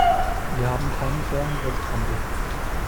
Wir haben keinen fairen Welthandel.